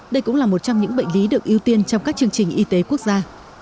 đây cũng là một trong những bệnh lý được ưu tiên trong các chương trình y tế quốc gia